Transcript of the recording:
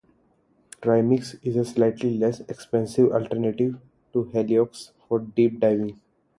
Trimix is a slightly less expensive alternative to heliox for deep diving.